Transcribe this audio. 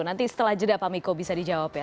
nanti setelah jeda pak miko bisa dijawab ya